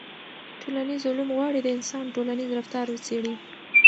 ټولنیز علوم غواړي د انسان ټولنیز رفتار وڅېړي.